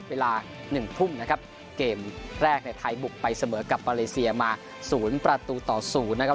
เวลา๑ทุ่มนะครับเกมแรกในไทยบุกไปเสมอกับมาเลเซียมาศูนย์ประตูต่อ๐นะครับ